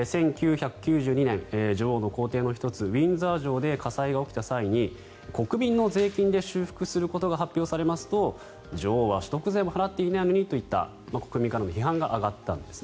１９９２年、女王の公邸の１つウィンザー城で火災が起きた際に国民の税金で修復することが発表されますと女王は所得税も払っていないのにといった国民からの批判が上がったんです。